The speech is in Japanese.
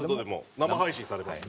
生配信されます